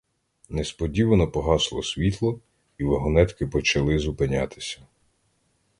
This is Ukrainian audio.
Несподівано погасло світло, і вагонетки почали зупинятися.